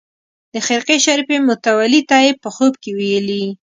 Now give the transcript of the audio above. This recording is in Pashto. د خرقې شریفې متولي ته یې په خوب کې ویلي.